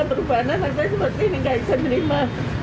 berubahan anak saya seperti ini gak bisa terima